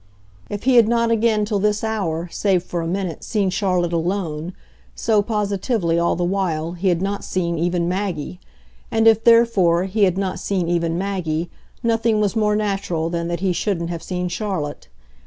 If he had not again, till this hour, save for a minute, seen Charlotte alone, so, positively, all the while, he had not seen even Maggie; and if, therefore, he had not seen even Maggie, nothing was more natural than that he shouldn't have seen Charlotte.